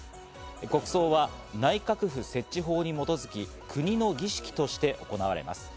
国葬は内閣府設置法に基づき、国の儀式として行われます。